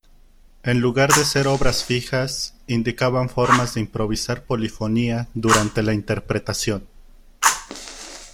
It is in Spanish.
En lugar de ser obras fijas, indicaban formas de improvisar polifonía durante la interpretación.